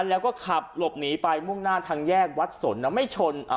แล้วก็ขับหลบหนีไปมุ่งหน้าทางแยกวัดสนนะไม่ชน